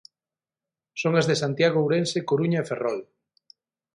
Son as de Santiago, Ourense, Coruña e Ferrol.